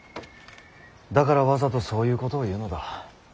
だからわざとそういうことを言うのだ。